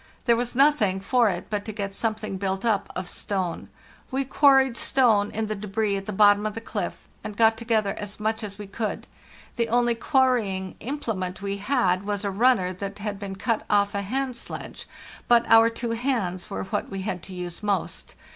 There was nothing for it but to get something built up of stone. We quarried stone in the débris at the bottom of the cliff, and got together as much as we could. The only quarrying implement we had g was a runner that had been cut off a hand sledge; but our two hands were what we had to use most.